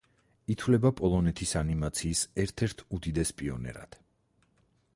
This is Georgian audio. ითვლება პოლონეთის ანიმაციის ერთ-ერთ უდიდეს პიონერად.